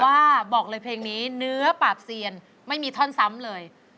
ว่าบอกเลยเพลงนี้เนื้อปากเซียนไม่มีท่อนซ้ำเลย